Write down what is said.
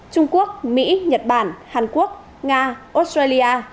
trung quốc mỹ nhật bản hàn quốc nga australia